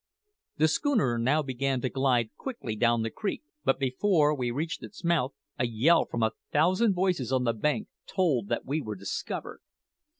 The schooner now began to glide quickly down the creek; but before we reached its mouth, a yell from a thousand voices on the bank told that we were discovered.